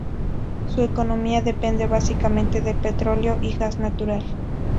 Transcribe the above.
Su economía depende básicamente del petróleo y gas natural.